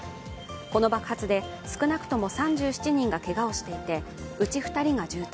この爆発で、少なくとも３７人がけがをしていてうち２人が重体